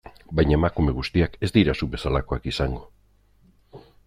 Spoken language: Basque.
Baina emakume guztiak ez dira zu bezalakoak izango...